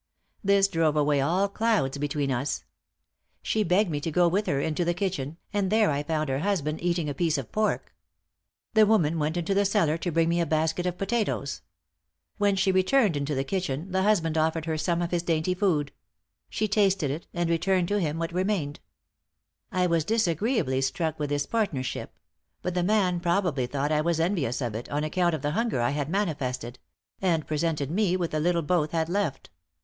This drove away all clouds between us. She begged me to go with her into the kitchen, and there I found her husband eating a piece of pork. The woman went into the cellar to bring me a basket of potatoes. When she returned into the kitchen, the husband offered her some of his dainty food; she tasted it, and returned to him what remained. I was disagreeably struck with this partnership; but the man probably thought I was envious of it, on account of the hunger I had manifested; and presented me with the little both had left.